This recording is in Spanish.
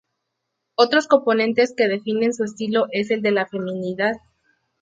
Otro de los componentes que definen su estilo es el de la feminidad.